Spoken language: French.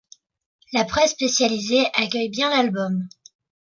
La presse spécialisée accueille bien l'album.